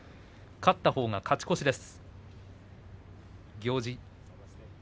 勝ったほうが勝ち越しです。